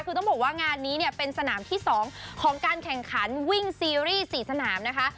คือต้องบอกว่างานนี้เนี่ยเป็นสนามที่๒ของการแข่งขันวิ่งซีรีส์๔สนามนะคะ